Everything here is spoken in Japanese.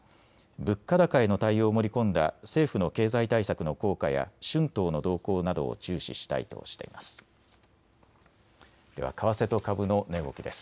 物価高への対応を盛り込んだ政府の経済対策の効果や春闘の動向などを注視したいとしています。